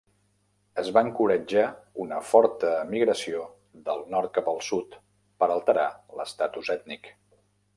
Es va encoratjar una forta emigració del nord cap al sud per alterar l'estatus ètnic.